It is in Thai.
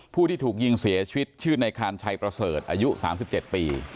ผู้ที่ถูกยิงเสียชีวิตชื่อในคานชัยประเสริฐอายุ๓๗ปี